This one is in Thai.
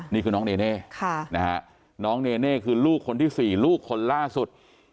นี่คือน้องเนเน่น้องเนเน่คือลูกคนที่๔ลูกคนล่าสุด